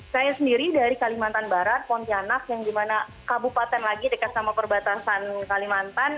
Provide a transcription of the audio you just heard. saya sendiri dari kalimantan barat pontianak yang dimana kabupaten lagi dekat sama perbatasan kalimantan